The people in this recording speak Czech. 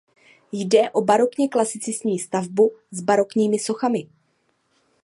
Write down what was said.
Jde o barokně klasicistní stavbu s barokními sochami.